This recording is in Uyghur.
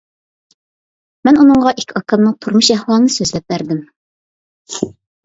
مەن ئۇنىڭغا ئىككى ئاكامنىڭ تۇرمۇش ئەھۋالىنى سۆزلەپ بەردىم.